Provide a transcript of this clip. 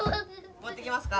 持ってきますか？